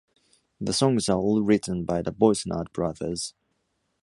The songs are all written by the Boisnard brothers.